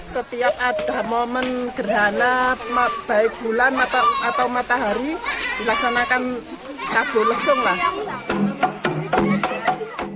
setiap ada momen gerhana baik bulan atau matahari dilaksanakan kabul lesung lah